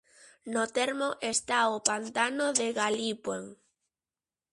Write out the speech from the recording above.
No termo está o pantano de Galipuen.